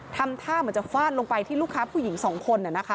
ทำท่าเหมือนจะฟาดลงไปที่ลูกค้าผู้หญิงสองคน